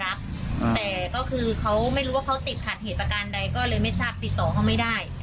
แต่ก็คือเขาไม่รู้ว่าเขาติดขัดเหตุประการใดก็เลยไม่ทราบติดต่อเขาไม่ได้